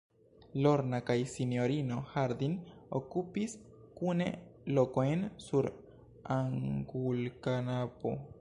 Lorna kaj sinjorino Harding okupis kune lokojn sur angulkanapo.